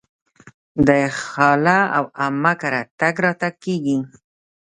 د خاله او عمه کره تګ راتګ کیږي.